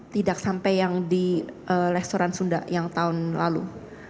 tidak sampai yang di restoran sunda yang tahun lalu